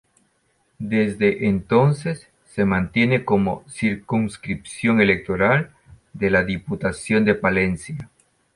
Desde entonces se mantiene como circunscripción electoral de la Diputación de Palencia.